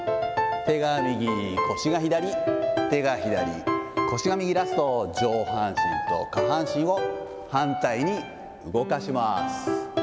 手が右、腰が左、手が左、腰は右、ラスト、上半身と下半身を反対に動かします。